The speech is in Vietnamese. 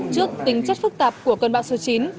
trước tính chất phức tạp của cơn bão số chín